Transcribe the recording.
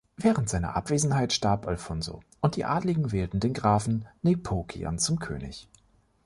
Während seiner Abwesenheit starb Alfonso und die Adligen wählten den Grafen Nepocian zum König.